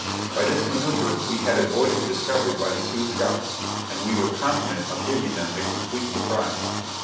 By this manoeuver we had avoided discovery by the Sioux scouts, and we were confident of giving them a complete surprise.